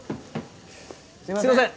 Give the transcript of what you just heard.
すいません。